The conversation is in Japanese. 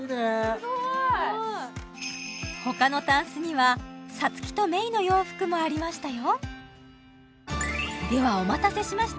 すごいほかのタンスにはサツキとメイの洋服もありましたよ